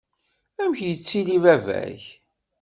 Amek ittili baba-k?